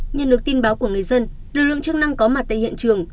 nhân lực tin báo của người dân lực lượng chức năng có mặt tại hiện trường